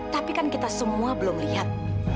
tapi kan kita semua belum lihat